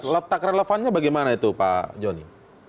letak relevannya bagaimana itu pak joni